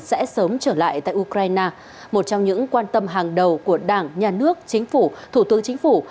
sẽ sớm trở lại tại ukraine một trong những quan tâm hàng đầu của đảng nhà nước chính phủ thủ tướng chính phủ